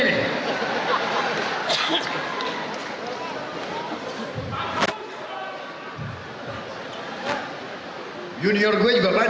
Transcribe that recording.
fake pension lu berapa fake